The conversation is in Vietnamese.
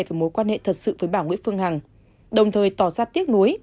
về mối quan hệ thật sự với bà nguyễn phương hằng đồng thời tỏ ra tiếc nuối